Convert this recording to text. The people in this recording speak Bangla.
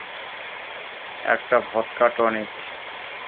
একটা ভোদকা টনিক।